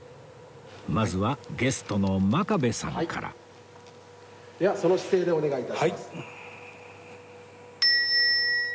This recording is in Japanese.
まずはゲストの真壁さんからではその姿勢でお願いいたします。